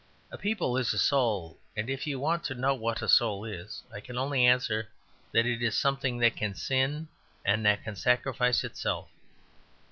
A people is a soul; and if you want to know what a soul is, I can only answer that it is something that can sin and that can sacrifice itself.